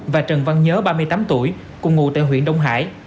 và trần văn nhớ ba mươi tám tuổi cùng ngụ tại huyện đông hải